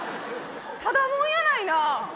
ただ者やないな！